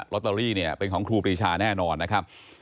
ลอตเตอรี่เนี่ยเป็นของครูปรีชาแน่นอนนะครับ